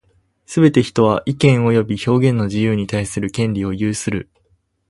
すべて人は、意見及び表現の自由に対する権利を有する。